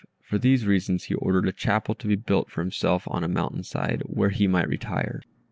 For these reasons he ordered a chapel to be built for himself on a mountain side, where he might retire.